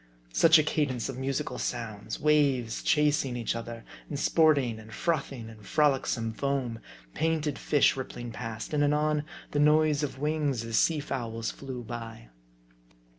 Such a cadence of musical sounds ! Waves chasing each other, and sporting and frothing in frolicsome foam : painted fish rippling past ; and anon the noise of wings as sea fowls flew by.